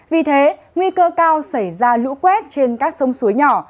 vì thế nguy cơ cao xảy ra lũ quét trên các sông suối nhỏ